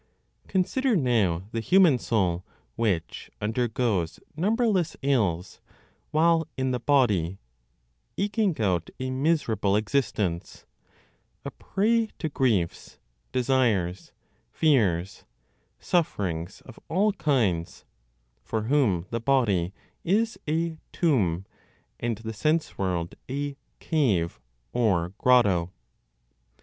Consider now the human soul which undergoes numberless ills while in the body, eking out a miserable existence, a prey to griefs, desires, fears, sufferings of all kinds, for whom the body is a tomb, and the sense world a "cave" or "grotto."